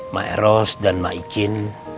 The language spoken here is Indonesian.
ma'eros dan ma'ikin